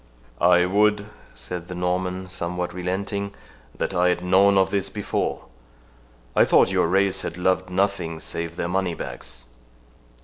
"I would," said the Norman, somewhat relenting, "that I had known of this before. I thought your race had loved nothing save their moneybags."